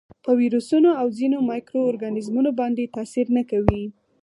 په ویروسونو او ځینو مایکرو ارګانیزمونو باندې تاثیر نه کوي.